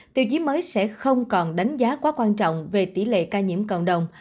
tiêu chí mới sẽ không còn đánh giá quá quan trọng về tỷ lệ ca nhiễm cộng đồng